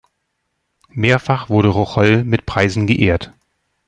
Mehrfach wurde Rocholl mit Preisen geehrt.